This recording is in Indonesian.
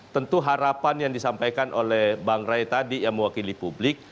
tentu harapan yang disampaikan oleh bang ray tadi yang mewakili publik